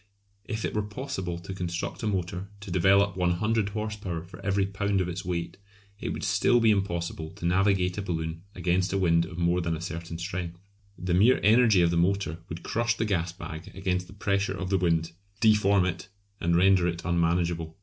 If it were possible to construct a motor to develop 100 horse power for every pound of its weight, it would still be impossible to navigate a balloon against a wind of more than a certain strength. The mere energy of the motor would crush the gas bag against the pressure of the wind, deform it, and render it unmanageable.